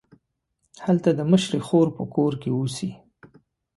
هلته د مشرې خور په کور کې اوسي.